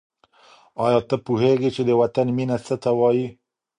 آیا ته پوهېږې چې د وطن مینه څه ته وايي؟